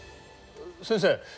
先生